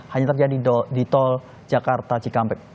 hanya terjadi di tol jakarta cikampek